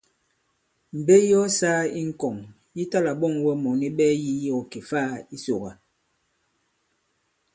Mbe yi ɔ sāa i ŋkɔ̀ŋ yi ta-là-ɓɔ᷇ŋ wɛ mɔ̀ni ɓɛɛ yî yi ɔ kè-faā i Sòkà.